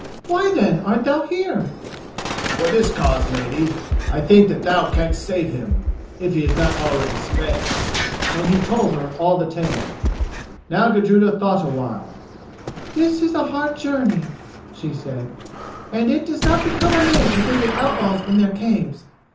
"Why, then, art thou here?" "For this cause, lady: I think that thou canst save him, if he is not already sped." And he told her all the tale. Now Gudruda thought a while. "This is a hard journey," she said, "and it does not become a maid to visit outlaws in their caves.